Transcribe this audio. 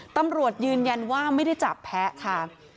ตำรวจยืนยันว่าไม่ได้จับแพ้ค่ะ